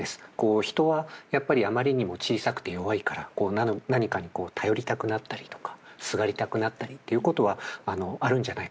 人はやっぱりあまりにも小さくて弱いから何かに頼りたくなったりとかすがりたくなったりということはあるんじゃないかと。